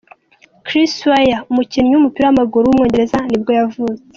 Chris Weale, umukinnyi w’umupira w’amaguru w’umwongereza nibwo yavutse.